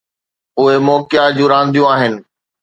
اهي موقعا جون رانديون آهن.